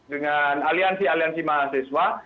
dengan aliansi aliansi mahasiswa